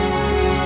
aku sudah menang